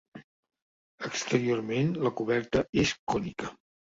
Exteriorment la coberta és cònica.